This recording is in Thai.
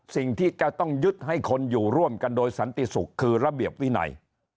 สิ่งที่จะต้องยึดให้คนอยู่ร่วมกันโดยสันติสุขคือระเบียบวินัย